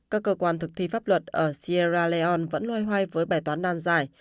các cơ quan thực thi pháp luật ở sierra leone vẫn loay hoay với bài toán đàn giải